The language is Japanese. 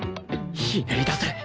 ひねり出せ！